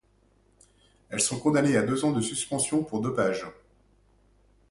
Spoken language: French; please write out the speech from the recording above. Elles sont condamnées à deux ans de suspension pour dopage.